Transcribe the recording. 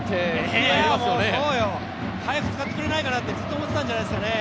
いや、もうそうよ、早く使ってくれないかなとずっと思ってたんじゃないですかね。